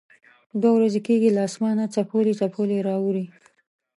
دوه ورځې کېږي له اسمانه څپولی څپولی را اوري.